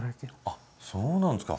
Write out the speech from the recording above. あっそうなんですか。